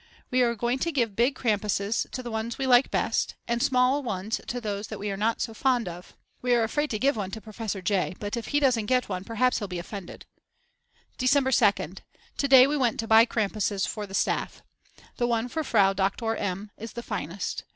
We are going to give big Krampuses to the ones we like best, and: small ones to those we are not so fond of. We're afraid to give one to Professor J. But if he doesn't get one perhaps he'll be offended. December 2nd. To day we went to buy Krampuses for the staff. The one for Frau Doktor M. is the finest.